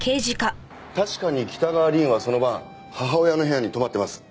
確かに北川凛はその晩母親の部屋に泊まってます。